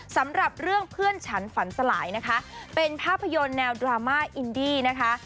สำหรับเรื่องเพื่อนฉันฝันสลายนะคะเป็นภาพยนตร์แนวดราม่าอินดี้นะคะ